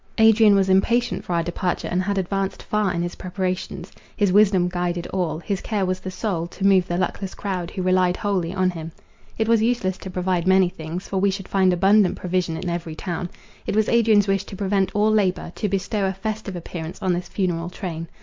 Adrian was impatient for our departure, and had advanced far in his preparations. His wisdom guided all. His care was the soul, to move the luckless crowd, who relied wholly on him. It was useless to provide many things, for we should find abundant provision in every town. It was Adrian's wish to prevent all labour; to bestow a festive appearance on this funeral train.